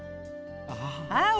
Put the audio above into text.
ああ。